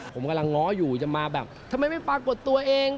ผมกำลังง้ออยู่จะมาแบบทำไมไม่ปรากฏตัวเอง